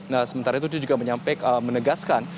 nah sementara itu dia juga menyampaikan menegaskan